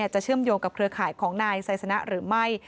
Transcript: เชื่อมโยงกับเครือข่ายของนายไซสนะหรือไม่